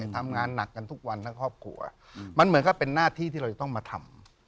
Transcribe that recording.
ทำงานหนักกันทุกวันทั้งครอบครัวมันเหมือนกับเป็นหน้าที่ที่เราจะต้องมาทำ